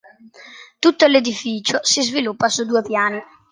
Tutto l'edificio si sviluppa su due piani.